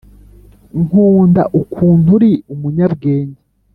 nkunda ukuntu uri umunyabwenge